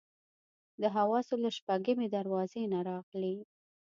د حواسو له شپږمې دروازې نه راغلي.